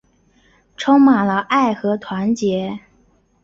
充满了爱和团结